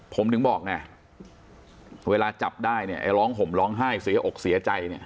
ผมถึงบอกไงเวลาจับได้เนี่ยไอ้ร้องห่มร้องไห้เสียอกเสียใจเนี่ย